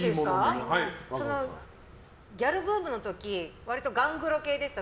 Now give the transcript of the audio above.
ギャルブームの時割とガングロ系でした？